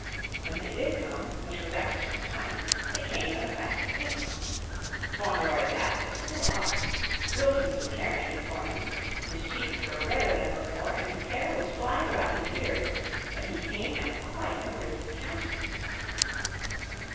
When they did come, which was after some time, they came at a faster pace. Fauntleroy's hat was still off; Wilkins was carrying it for him; his cheeks were redder than before, and his hair was flying about his ears, but he came at quite a brisk canter.